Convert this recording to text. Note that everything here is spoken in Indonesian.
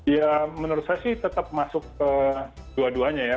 ya menurut saya sih tetap masuk ke dua duanya ya